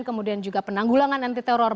kemudian juga penanggulangan anti teror